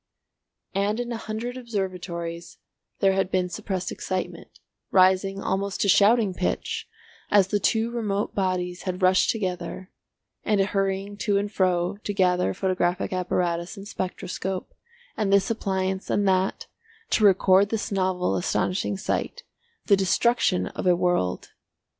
And in a hundred observatories there had been suppressed excitement, rising almost to shouting pitch, as the two remote bodies had rushed together; and a hurrying to and fro, to gather photographic apparatus and spectroscope, and this appliance and that, to record this novel astonishing sight, the destruction of a world.